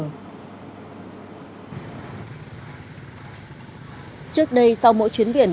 trước đây sau mỗi chuyến biển